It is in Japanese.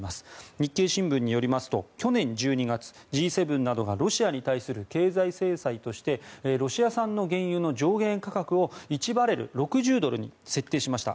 日経新聞によりますと去年１２月、Ｇ７などがロシアに対する経済制裁としてロシア産の原油の上限価格を１バレル＝６０ドルに設定しました。